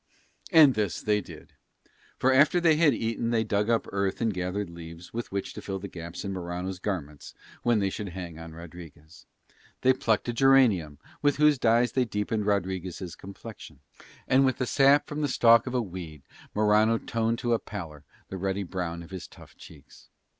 And this they did: for after they had eaten they dug up earth and gathered leaves with which to fill the gaps in Morano's garments when they should hang on Rodriguez, they plucked a geranium with whose dye they deepened Rodriguez' complexion, and with the sap from the stalk of a weed Morano toned to a pallor the ruddy brown of his tough cheeks.